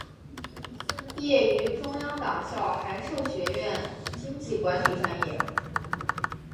毕业于中央党校函授学院经济管理专业。